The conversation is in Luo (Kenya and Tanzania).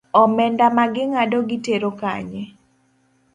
Omenda maging’ado gitero kanye?